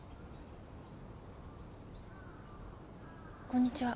こんにちは。